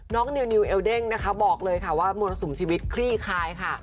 น้องนิวนิวเอลเด้งนะคะบอกเลยค่ะว่ามนุษย์สูงชีวิตคลี่คายค่ะ